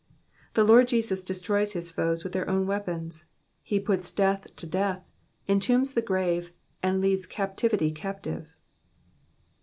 The Lord Jesus destroys his foes with their own weapons ; he puts death to death, entombs the grave, and leads captivity captive.